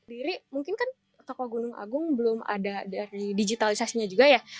diri mungkin kan tokoh gunung agung belum ada dari digitalisasinya juga ya